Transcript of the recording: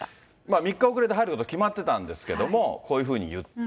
３日遅れて入ることは決まってたんですけれども、こういうふうに言った。